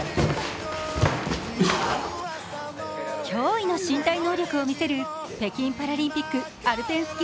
驚異の身体能力を見せる北京パラリンピック、アルペン